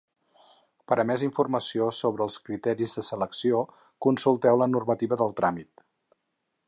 Per a més informació sobre els criteris de selecció consulteu la normativa del tràmit.